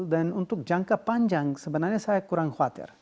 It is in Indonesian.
dan untuk jangka panjang sebenarnya saya kurang khawatir